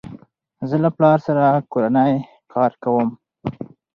زه له پلار سره کورنی کار کوم.